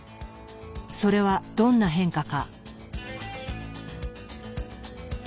それはどんな変化か。